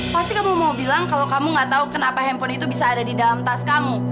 pasti kamu mau bilang kalau kamu gak tahu kenapa handphone itu bisa ada di dalam tas kamu